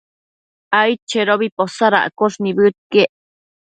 aidchedobi posadosh nibëdquiec